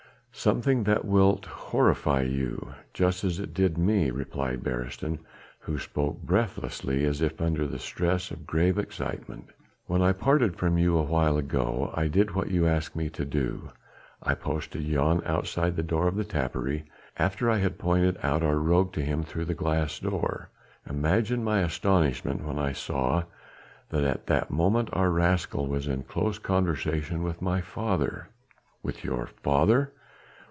"Something that wilt horrify you, just as it did me," replied Beresteyn, who spoke breathlessly as if under stress of grave excitement. "When I parted from you awhile ago, I did what you asked me to do. I posted Jan outside the door of the tapperij after I had pointed out our rogue to him through the glass door. Imagine my astonishment when I saw that at that moment our rascal was in close conversation with my father." "With your father?"